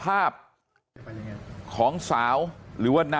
ครับคุณสาวทราบไหมครับ